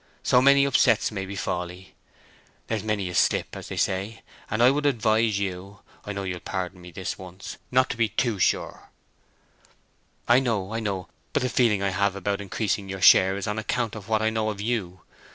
So many upsets may befall 'ee. There's many a slip, as they say—and I would advise you—I know you'll pardon me this once—not to be too sure." "I know, I know. But the feeling I have about increasing your share is on account of what I know of you.